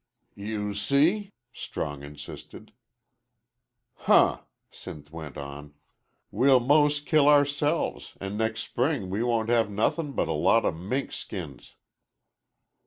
"You s see," Strong insisted. "Huh!" Sinth went on; "we'll mos' kill ourselves, an' nex' spring we won't have nothin' but a lot o' mink skins."